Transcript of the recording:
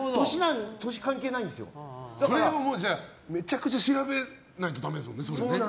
それをめちゃくちゃ調べないとだめですね。